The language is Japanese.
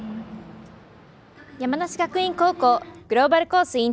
山梨学院高校グローバルコース